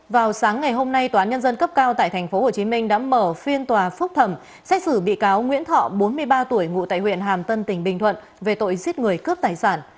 vào sáng ngày hôm nay tòa án nhân dân cấp cao tại tp hcm đã mở phiên tòa phúc thẩm xét xử bị cáo nguyễn thọ bốn mươi ba tuổi ngụ tại huyện hàm tân tỉnh bình thuận về tội giết người cướp tài sản